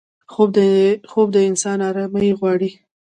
خوب د انسان آرامي غواړي